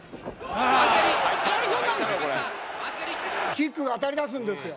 キックが当たりだすんですよ。